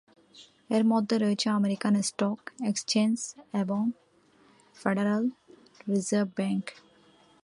এর মধ্যে রয়েছে আমেরিকান স্টক এক্সচেঞ্জ এবং ফেডারেল রিজার্ভ ব্যাংক।